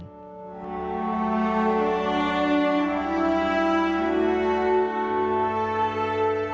ถึงพื้นฐานที่มั่นคงก่อน